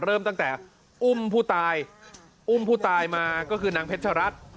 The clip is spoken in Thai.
เริ่มตั้งแต่อุ้มผู้ตายมาก็คือนางเพชรชรัฐ